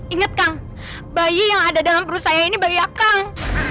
ingat kang bayi yang ada dalam perut saya ini bayi akang